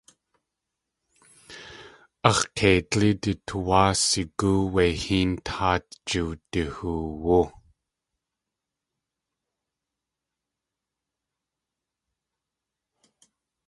Ax̲ keidlí du tuwáa sigóo wé héen táat jiwdahoowú.